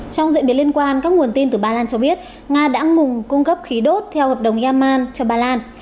trong diễn biến liên quan các nguồn tin từ ba lan cho biết nga đã ngừng cung cấp khí đốt theo hợp đồng yaman cho ba lan